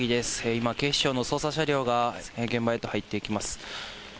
今、警視庁の捜査車両が現場へと入っていきます。